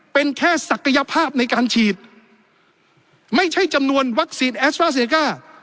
เป็นแค่ศักยภาพในการฉีดไม่ใช่จำนวนวัคซีนแอสตราเซก้า